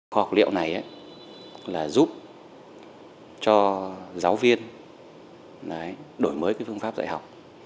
khoa học liệu này là giúp cho giáo viên đổi mới phương pháp dạy học